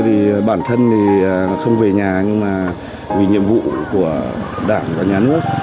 thì bản thân thì không về nhà nhưng mà vì nhiệm vụ của đảng và nhà nước